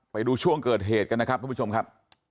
ไปดูช่วงเกิดเหตุกันนะครับทุกผู้ชมครับ